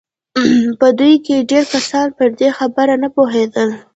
په دوی کې ډېر کسان پر دې خبره نه پوهېدل